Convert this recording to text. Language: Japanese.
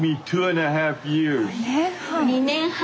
２年半。